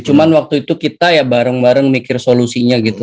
cuma waktu itu kita ya bareng bareng mikir solusinya gitu